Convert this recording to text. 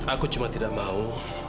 aku cuma tidak mau